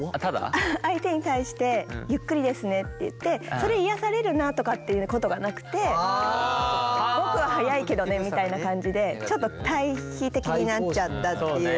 相手に対してゆっくりですねって言ってそれ癒やされるなとかっていうことがなくて僕は速いけどねみたいな感じでちょっと対比的になっちゃったっていう。